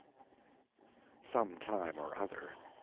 "Some time or other."